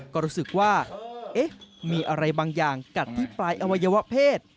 ก็รู้สึกว่าเอ๊ะมีอะไรบางอย่างกัดที่ปลายอวัยวะเพศ